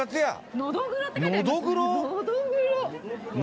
のどぐろ？